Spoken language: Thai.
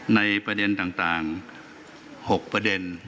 ในประเด็นต่าง๖ประเด็น